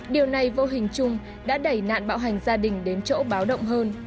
điều này vô hình chung đã đẩy nạn bạo hành gia đình đến chỗ báo động hơn